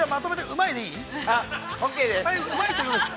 ◆うまいということです。